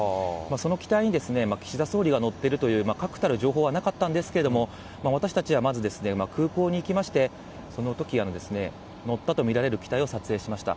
その機体に岸田総理が乗ってるという確たる情報はなかったんですけれども、私たちはまず空港に行きまして、そのとき乗ったと見られる機体を撮影しました。